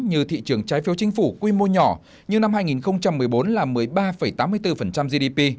như thị trường trái phiếu chính phủ quy mô nhỏ như năm hai nghìn một mươi bốn là một mươi ba tám mươi bốn gdp